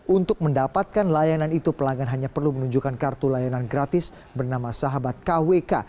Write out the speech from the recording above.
untuk mendapatkan layanan itu pelanggan hanya perlu menunjukkan kartu layanan gratis bernama sahabat kwk